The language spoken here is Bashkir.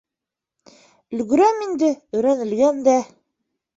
Өлгөрәм инде, өйрәнелгән дә.